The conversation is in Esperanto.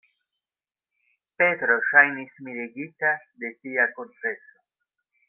Petro ŝajnis miregita de tia konfeso.